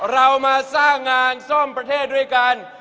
เรามาสร้างงานซ่อมประเทศด้วยกัน